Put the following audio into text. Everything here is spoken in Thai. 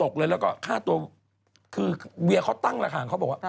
คือเวียเขาตั้งราคาเขาบอกว่า